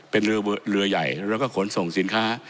เป็นเรือใหญ่แล้วก็ขนส่งสินค้า